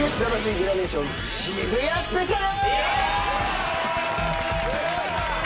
グラデーション渋谷スペシャル！